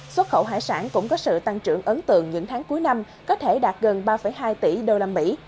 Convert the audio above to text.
xuất khẩu hải sản cũng có sự tăng trưởng ấn tượng những tháng cuối năm có thể đạt gần ba hai tỷ đô la mỹ